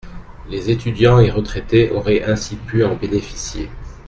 Les étudiants et retraités auraient ainsi pu en bénéficier.